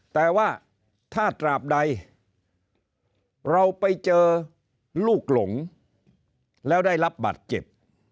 แต่ว่าถ้าตราบใดเราไปเจอลูกหลงแล้วได้รับบัตรเจ็บ